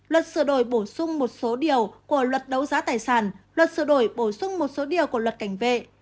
luật sửa đổi bổ sung một số điều của luật đấu giá tài sản luật sửa đổi bổ sung một số điều của luật cảnh vệ